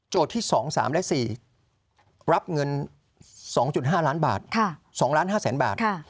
โจทย์ที่๒๓๔รับเงิน๒๕ล้านบาท๒ล้าน๕แสนบาท